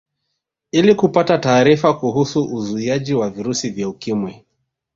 Ili kupata taarifa kuhusu uzuiaji wa virusi vya Ukimwi